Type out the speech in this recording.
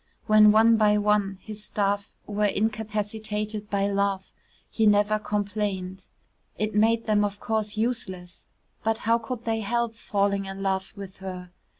When one by one his staff were incapacitated by love, he never complained. It made them of course useless, but how could they help falling in love with her?